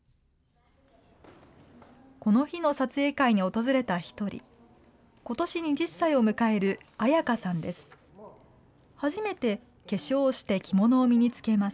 この日の撮影会に訪れた一人、ことし２０歳を迎える彩花さんです。